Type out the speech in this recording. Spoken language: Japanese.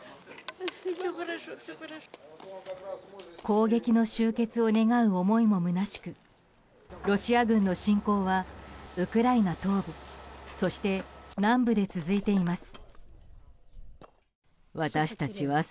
攻撃の終結を願う思いもむなしくロシア軍の侵攻はウクライナ東部そして、南部で続いています。